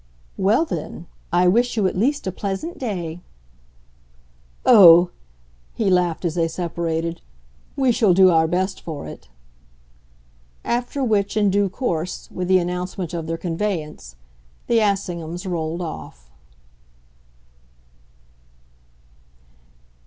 "Well then, I wish you at least a pleasant day," "Oh," he laughed as they separated, "we shall do our best for it!" after which, in due course, with the announcement of their conveyance, the Assinghams rolled off.